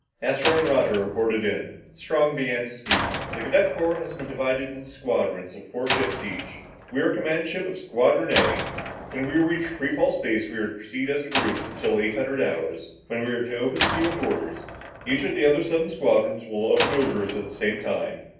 Astro and Roger reported in. Strong began to speak. "The cadet corps has been divided into squadrons of four ships each. We are command ship of Squadron A. When we reach free fall space, we are to proceed as a group until eight hundred hours, when we are to open sealed orders. Each of the other seven squadrons will open their orders at the same time.